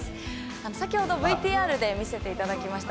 先ほどＶＴＲで見せていただきました